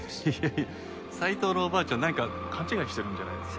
いや斉藤のおばあちゃんなんか勘違いしてるんじゃないですか？